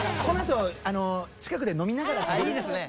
いいですね。